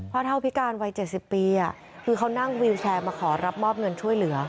เท่าพิการวัย๗๐ปีคือเขานั่งวิวแชร์มาขอรับมอบเงินช่วยเหลือ